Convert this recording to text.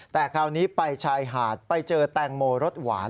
แต่คราวนี้ไปชายหาดไปเจอแตงโมรสหวาน